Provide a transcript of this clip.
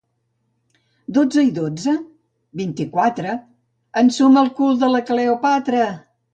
—Dotze i dotze? —Vint-i-quatre. —Ensuma el cul de la Cleopatra!